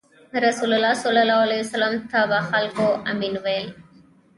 رسول الله ﷺ ته به خلکو “امین” ویل.